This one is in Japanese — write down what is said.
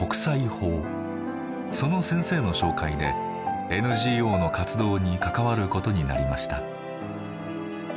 その先生の紹介でＮＧＯの活動に関わることになりました。